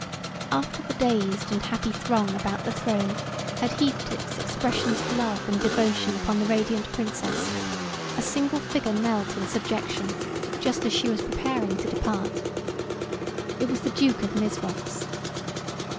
After the dazed and happy throng about the throne had heaped its expressions of love and devotion upon the radiant Princess a single figure knelt in subjection, just as she was preparing to depart. It was the Duke of Mizrox.